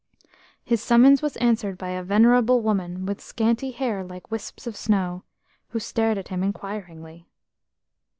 His summons was answered by a venerable woman with scanty hair like wisps of snow, who stared at him inquiringly.